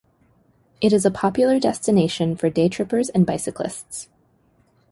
It is a popular destination for daytrippers and bicyclists.